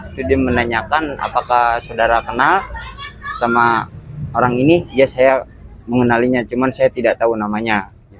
itu dia menanyakan apakah saudara kenal sama orang ini ya saya mengenalinya cuma saya tidak tahu namanya